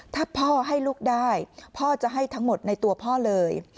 ถ้าพ่อให้ลูกได้พ่อจะให้ทั้งหมดในตัวพ่อเลย